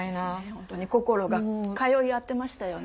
ホントに心が通い合ってましたよね。